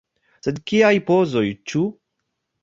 Sed kiaj pozoj, ĉu?